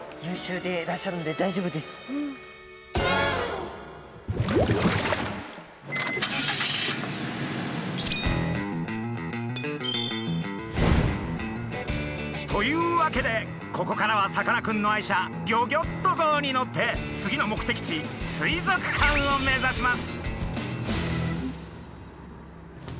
そうですね。というわけでここからはさかなクンの愛車ギョギョッと号に乗って次の目的地水族館を目指します。